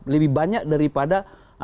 lebih banyak daripada